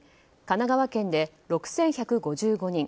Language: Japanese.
神奈川県で６１５５人